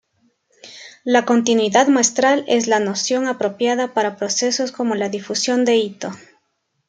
La continuidad muestral es la noción apropiada para procesos como la difusión de Itō.